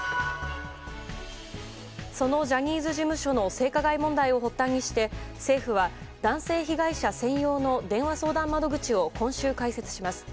そのジャニーズ事務所の性加害問題を発端にして政府は男性被害者専用の電話相談窓口を今週、解説します。